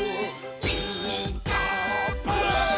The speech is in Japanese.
「ピーカーブ！」